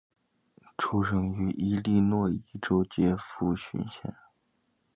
出生于伊利诺伊州杰佛逊县。